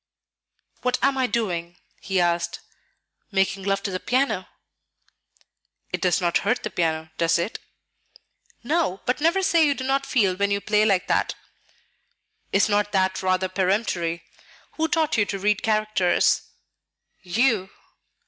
"What am I doing?" he asked. "Making love to the piano." "It does not hurt the piano, does it?" "No; but never say you do not feel when you play like that." "Is not that rather peremptory? Who taught you to read characters?" "You."